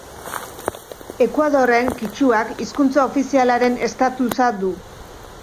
Ekuadorren kitxuak hizkuntza ofizialaren estatusa du.